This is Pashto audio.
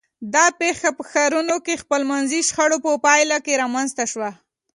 دا پېښه په ښارونو کې خپلمنځي شخړو په پایله رامنځته شوه.